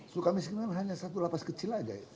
sukamiskinan hanya satu lapas kecil aja ya